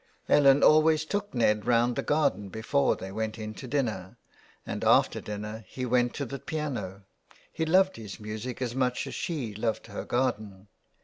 Ellen always took Ned round the garden before they went into dinner, and after dinner he went to the piano ; he loved his music as she loved her garden.